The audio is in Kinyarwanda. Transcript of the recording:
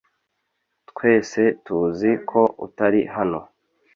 Twese tuzi ko utari hano .